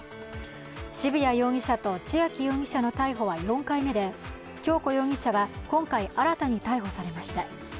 渋谷容疑者と千秋容疑者の逮捕は４回目で、恭子容疑者は今回、新たに逮捕されました。